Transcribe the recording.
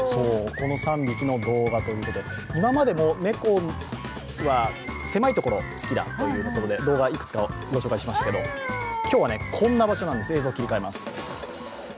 この３匹の動画ということで今までも猫は狭いところが好きだというところで動画いくつかをご紹介しましたけれども、今日はね、こんな場所なんです。